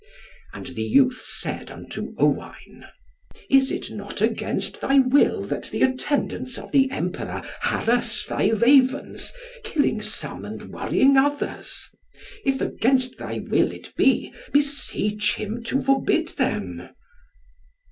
And the youth said unto Owain, "Is it not against thy will that the attendants of the Emperor harass thy Ravens, killing some and worrying others? If against thy will it be, beseech him to forbid them."